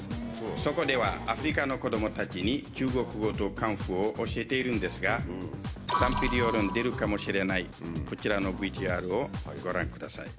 そこではアフリカの子どもたちに、中国語とカンフーを教えているんですが、賛否両論出るかもしれないこちらのＶＴＲをご覧ください。